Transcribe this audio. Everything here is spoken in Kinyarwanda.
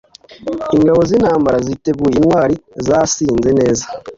Ingabo zintambara ziteguye intwari zasinze neza